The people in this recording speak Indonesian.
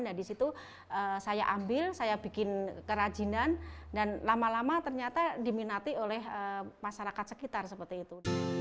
nah disitu saya ambil saya bikin kerajinan dan lama lama ternyata diminati oleh masyarakat sekitar seperti itu